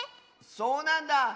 そうなんだあ。